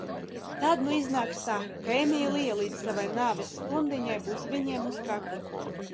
Tad nu iznāks tā, ka Emīlija līdz savai nāves stundiņai būs viņiem uz kakla.